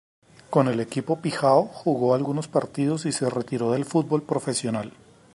Con el equipo "Pijao" jugó algunos partidos y se retiró del fútbol profesional.